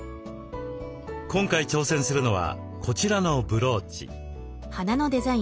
今回挑戦するのはこちらのブローチ。